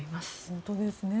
本当ですね。